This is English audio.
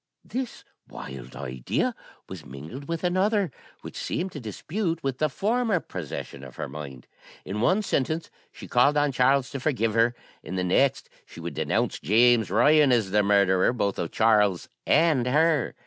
This wild idea was mingled with another, which seemed to dispute with the former possession of her mind. In one sentence she called on Charles to forgive her, in the next she would denounce James Ryan as the murderer, both of Charles and her.